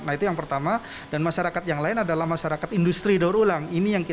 nah itu yang pertama dan masyarakat yang lain adalah masyarakat industri daur ulang